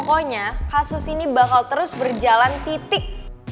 pokoknya kasus ini bakal terus berjalan titik